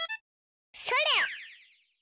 それ！